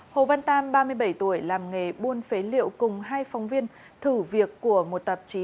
hồ văn tam ba mươi bảy tuổi làm nghề buôn phế liệu cùng hai phóng viên thử việc của một tạp chí